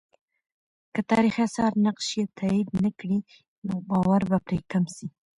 که تاریخي آثار نقش یې تایید نه کړي، نو باور به پرې کم سي.